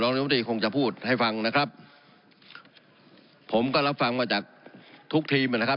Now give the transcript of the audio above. รัฐมนตรีคงจะพูดให้ฟังนะครับผมก็รับฟังมาจากทุกทีมนะครับ